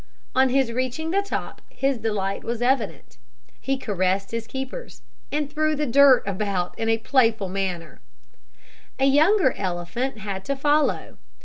On his reaching the top his delight was evident. He caressed his keepers, and threw the dirt about in a playful manner. A younger elephant had to follow.